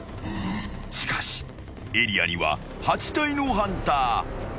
［しかしエリアには８体のハンター］